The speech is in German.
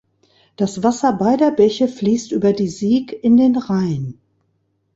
Das Wasser beider Bäche fließt über die Sieg in den Rhein.